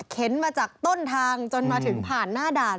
มาจากต้นทางจนมาถึงผ่านหน้าด่าน